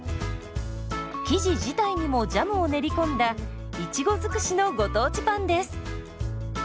生地自体にもジャムを練り込んだいちご尽くしのご当地パンです。